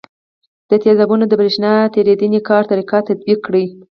د تیزابونو د برېښنا تیریدنې کار طریقه تطبیق کړئ.